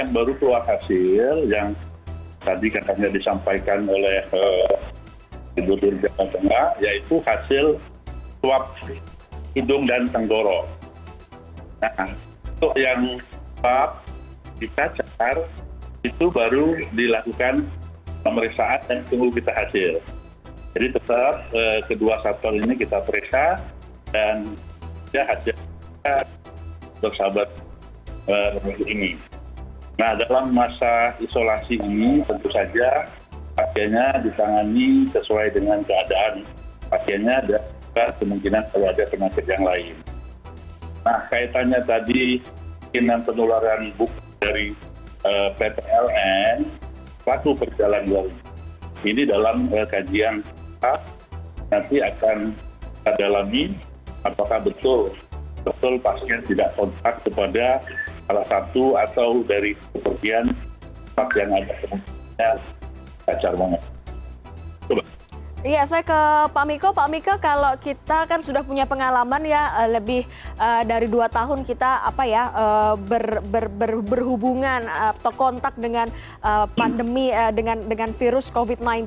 nah ini yang baru keluar hasil yang tadi katanya disampaikan oleh keduduk jawa tengah yaitu hasil suap hidung dan tenggoro